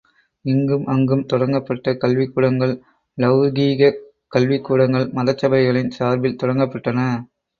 இங்கும் அங்கும் தொடங்கப்பட்ட கல்விக்கூடங்கள் லெளகீகக் கல்விக் கூடங்கள் மதச்சபைகளின் சார்பில் தொடங்கப்பட்டன.